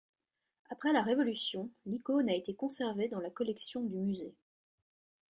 Après la révolution, l'icône a été conservé dans la collection du Musée.